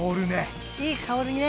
いい香りね。